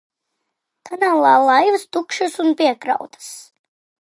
Kanālā laivas - tukšas un piekrautas.